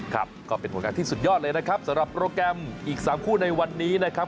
ครับก็เป็นผลงานที่สุดยอดเลยนะครับสำหรับโปรแกรมอีก๓คู่ในวันนี้นะครับ